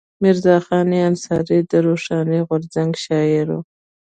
میرزا خان انصاري د روښاني غورځنګ شاعر و.